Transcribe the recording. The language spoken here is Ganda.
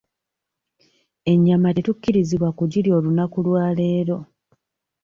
Ennyama tetukkirizibwa kugirya olunaku lwa leero.